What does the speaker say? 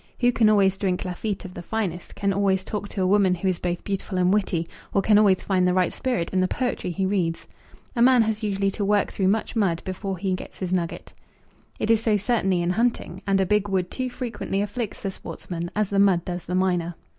Who can always drink Lafitte of the finest, can always talk to a woman who is both beautiful and witty, or can always find the right spirit in the poetry he reads? A man has usually to work through much mud before he gets his nugget. It is so certainly in hunting, and a big wood too frequently afflicts the sportsman, as the mud does the miner.